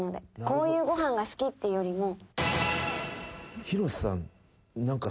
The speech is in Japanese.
こういうご飯が好きってよりも。